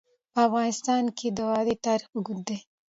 په افغانستان کې د وادي تاریخ اوږد دی.